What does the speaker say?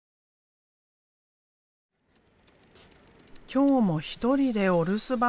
今日も一人でお留守番。